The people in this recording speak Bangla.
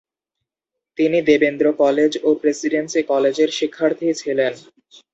তিনি দেবেন্দ্র কলেজ ও প্রেসিডেন্সি কলেজের শিক্ষার্থী ছিলেন।